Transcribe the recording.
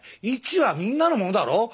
市はみんなのものだろ。